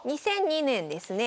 ２００２年ですね。